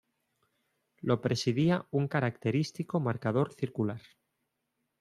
Lo presidía un característico marcador circular.